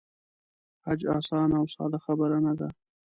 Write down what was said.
حج آسانه او ساده خبره نه ده.